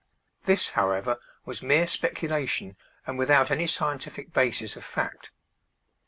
This, however, was mere speculation and without any scientific basis of fact.